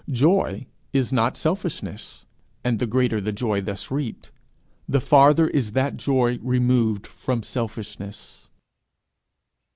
Joy is not selfishness; and the greater the joy thus reaped, the farther is that joy removed from selfishness.